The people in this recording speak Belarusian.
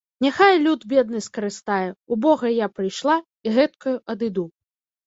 Няхай люд бедны скарыстае, убогай я прыйшла і гэткаю адыду!